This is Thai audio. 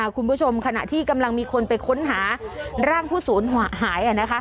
คุณผู้ชมขณะที่กำลังมีคนไปค้นหาร่างผู้ศูนย์หาย